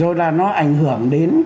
rồi là nó ảnh hưởng đến